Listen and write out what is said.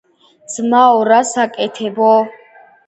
- ძმაო, რას აკეთებო?